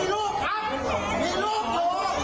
กลุ่มนี้